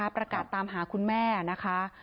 ประกาศตามหาคุณแม่นะคะ